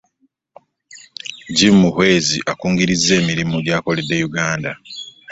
Jim Muhwezi akungirizza emirimu gy'akoledde Uganda